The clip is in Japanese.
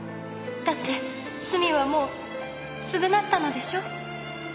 だって罪はもう償ったのでしょう？